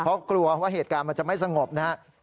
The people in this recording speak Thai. เพราะกลัวว่าเหตุการณ์มันจะไม่สงบนะครับ